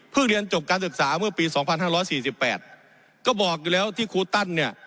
เพิ่งเรียนจบการศึกษาเมื่อปีสองพันห้าร้อยสี่สิบแปดก็บอกอยู่แล้วที่ครูตั้นเนี่ย